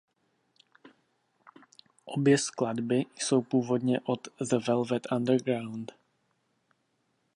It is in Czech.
Obě skladby jsou původně od The Velvet Underground.